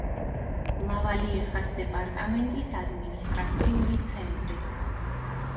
ლავალიეხას დეპარტამენტის ადმინისტრაციული ცენტრი.